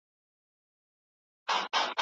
منطقي تسلسل په لیکنه کې د لیکوال ملا تړي.